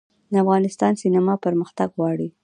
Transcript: د افغانستان سینما پرمختګ غواړي